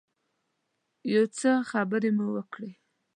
یو څه خبرې مو وکړې.